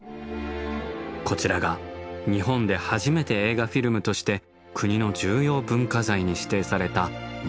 こちらが日本で初めて映画フィルムとして国の重要文化財に指定された「紅葉狩」。